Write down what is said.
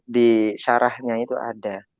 di syarahnya itu ada